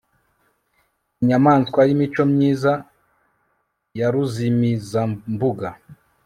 inyamaswa yimico myiza yaruzimizambuga